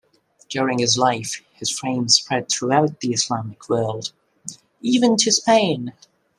During his life his fame spread throughout the Islamic world, even to Spain.